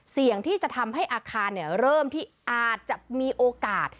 เสี่ยงที่จะทำให้อาคารเริ่มที่อาจจะมีโอกาส